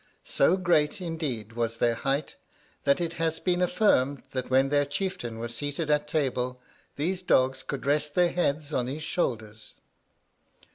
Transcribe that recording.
So great, indeed, was their height, that it has been affirmed, that when their chieftain was seated at table these dogs could rest their heads on his shoulders.